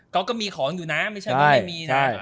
เขาก็มีของอยู่นะไม่ใช่ก็ไม่มีนะ